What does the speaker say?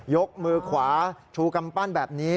ยกมือขวาชูกำปั้นแบบนี้